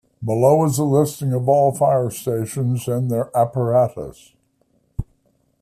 Below is a listing of all fire stations and their apparatus.